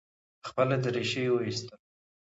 خپله درېشي یې وایستله.